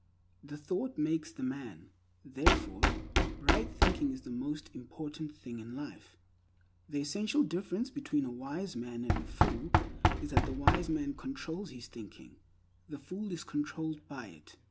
The thought makes the man; therefore right thinking is the most important thing in life. The essential difference between a wise man and a fool is that the wise man controls his thinking, the fool is controlled by it.